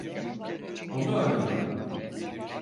Onu arıyorum.